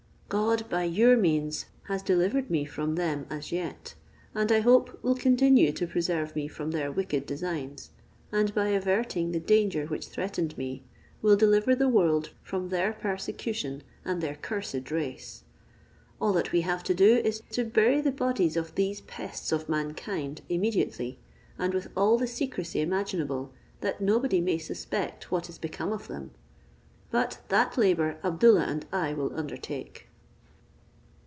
God, by your means, has delivered me from them as yet, and I hope will continue to preserve me from their wicked designs, and by averting the danger which threatened me, will deliver the world from their persecution and their cursed race. All that we have to do is to bury the bodies of these pests of mankind immediately, and with all the secrecy imaginable, that nobody may suspect what is become of them. But that labour Abdoollah and I will undertake."